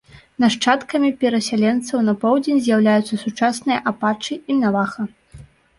Нашчадкамі перасяленцаў на поўдзень з'яўляюцца сучасныя апачы і наваха.